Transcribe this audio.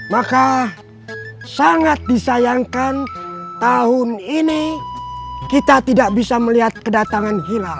maka sangat disayangkan tahun ini kita tidak bisa melihat kedatangan hilal